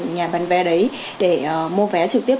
nhà bán vé đấy để mua vé trực tiếp